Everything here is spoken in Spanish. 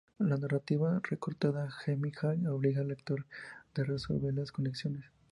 La narrativa recortada de Hemingway obliga al lector de resolver las conexiones.